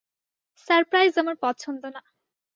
Surprise আমার পছন্দ না।